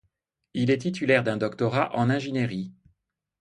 Il est titulaire d'un doctorat en ingénierie.